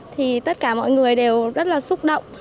thì tất cả mọi người đều rất là xúc động